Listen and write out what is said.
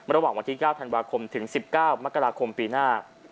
ระหว่างวันที่๙ธันวาคมถึง๑๙มกราคมปีหน้า